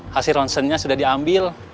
hasil ronsennya sudah diambil